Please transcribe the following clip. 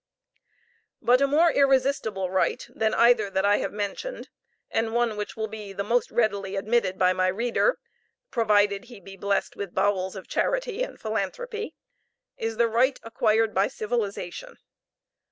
But a more irresistible right than either that I have mentioned, and one which will be the most readily admitted by my reader, provided he be blessed with bowels of charity and philanthropy, is the right acquired by civilization.